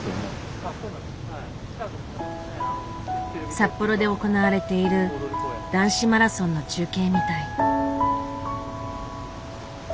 札幌で行われている男子マラソンの中継みたい。